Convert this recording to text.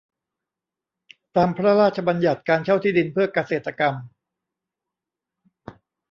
ตาม พระราชบัญญัติการเช่าที่ดินเพื่อเกษตรกรรม